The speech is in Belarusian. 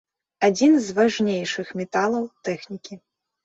Адзін з важнейшых металаў тэхнікі.